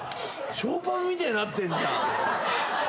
ショーパブみてえになってんじゃん。